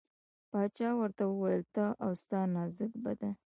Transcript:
باچا ورته وویل ته او ستا نازک بدن.